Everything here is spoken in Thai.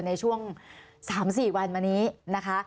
ในช่วงสามสี่วันวันนี้นะคะ